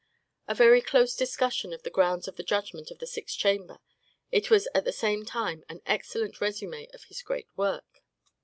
A very close discussion of the grounds of the judgment of the sixth chamber, it was at the same time an excellent resume of his great work.